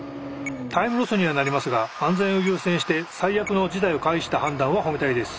タイムロスにはなりますが安全を優先して最悪の事態を回避した判断は褒めたいです。